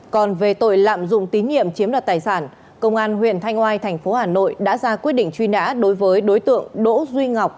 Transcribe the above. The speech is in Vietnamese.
còn về tội lạm dụng tín nhiệm chiếm đoạt tài sản công an huyện thanh oai thành phố hà nội đã ra quyết định truy nã đối với đối tượng đỗ duy ngọc